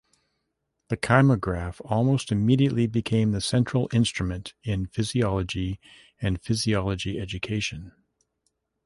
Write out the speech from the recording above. The kymograph almost immediately became the central instrument in physiology and physiology education.